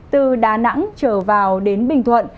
từ đà nẵng trở vào đến bình thuận